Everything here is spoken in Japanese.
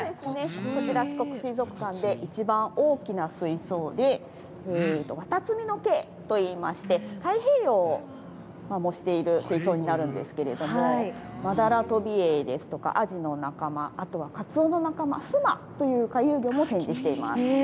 こちら、四国水族館で一番大きな水槽で、綿津見の景といいまして太平洋を模している水槽になるんですけれども、マダラトビエイですとか、アジの仲間、後はカツオの仲間、スマという回遊魚も展示しています。